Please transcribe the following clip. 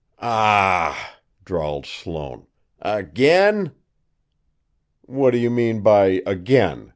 "Ah h h!" drawled Sloane. "Again?" "What do you mean by 'again'?"